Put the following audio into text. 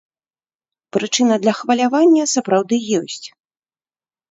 Прычына для хвалявання, сапраўды, ёсць.